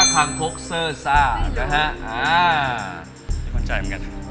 คังคกเซอร์ซ่านะฮะ